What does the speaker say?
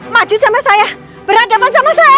maju sama saya berhadapan sama saya